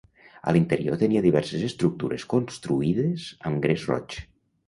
A l'interior tenia diverses estructures construïdes amb gres roig.